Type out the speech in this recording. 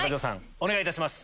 お願いいたします。